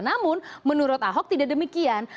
namun menurut ahok tidak demikian